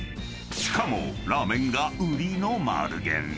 ［しかもラーメンが売りの丸源］